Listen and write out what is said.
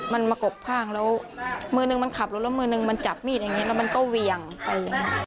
มันมากบข้างแล้วมือนึงมันขับรถแล้วมือนึงมันจับมีดอย่างนี้แล้วมันก็เวียงไปอย่างนี้